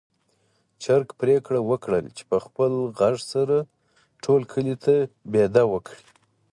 چرګ پرېکړه وکړه چې په خپل غږ سره ټول کلي ته بېده وکړي.